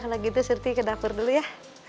kalau gitu sirti ke dapur dulu ya